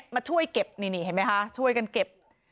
มาช่วยเก็บนี่เห็นไหมคะช่วยกันเก็บ